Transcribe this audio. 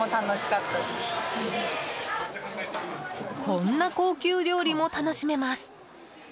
こんな高級料理も楽しめます。